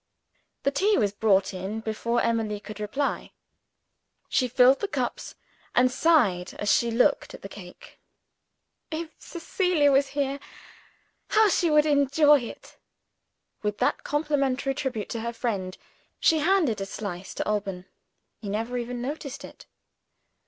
The tea was brought in before Emily could reply. She filled the cups, and sighed as she looked at the cake. "If Cecilia was here, how she would enjoy it!" With that complimentary tribute to her friend, she handed a slice to Alban. He never even noticed it.